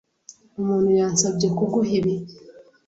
Umuntu yansabye kuguha ibi.